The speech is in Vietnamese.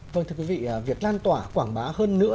vâng thưa quý vị việc lan tỏa quảng bá hơn nữa